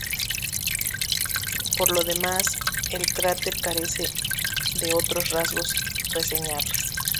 Por lo demás, el cráter carece de otros rasgos reseñables.